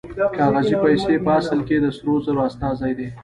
کاغذي پیسې په اصل کې د سرو زرو استازي دي